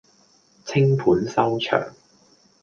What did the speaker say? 淸盤收場